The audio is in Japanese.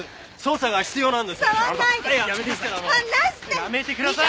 やめてください。